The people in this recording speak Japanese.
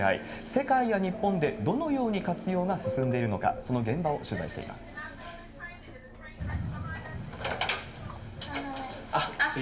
世界や日本でどのように活用が進んでいるのか、その現場を取材しています。